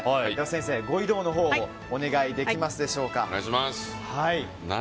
先生、ご移動のほうをお願いできますでしょうか。